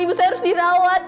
ibu saya harus dirawat